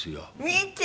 見て！